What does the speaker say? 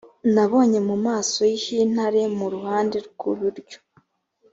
nabonye mu maso h’intare mu ruhande rw’iburyo